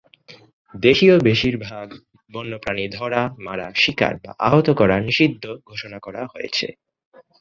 দেশীয় বেশিরভাগ বন্যপ্রাণী ধরা, মারা, শিকার বা আহত করা নিষিদ্ধ ঘোষণা করা হয়েছে।